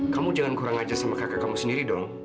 kamu jangan kurang aja sama kakak kamu sendiri dong